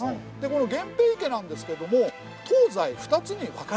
この源平池なんですけども東西２つに分かれています。